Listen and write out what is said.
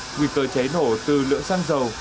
nguy cơ cháy nổ từ lửa xăng dầu